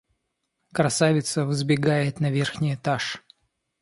Красавица взбегает на верхний этаж.